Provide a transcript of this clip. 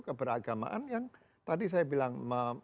keberagamaan yang tadi saya bilang